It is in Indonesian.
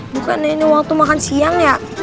bukan ini waktu makan siang ya